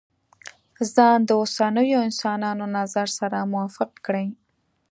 ځان د اوسنيو انسانانو نظر سره موافق کړي.